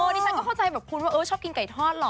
ดิฉันก็เข้าใจแบบคุณว่าชอบกินไก่ทอดหรอ